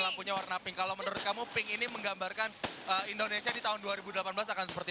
lampunya warna pink kalau menurut kamu pink ini menggambarkan indonesia di tahun dua ribu delapan belas akan seperti